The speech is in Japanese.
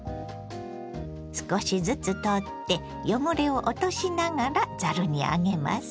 少しずつ取って汚れを落としながらざるに上げます。